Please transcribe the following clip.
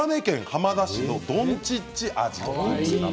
島根県浜田市のどんちっちアジ。